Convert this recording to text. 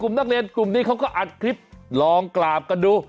นักเรียนกลุ่มนี้เขาก็อัดคลิปลองกราบกันดู